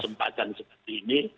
sempatan seperti ini